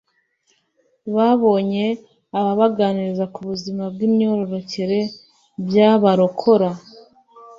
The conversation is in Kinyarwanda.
babonye ababaganiriza ku buzima bw'imyororokere byabarokora